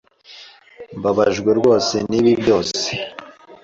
Mbabajwe rwose nibi byose.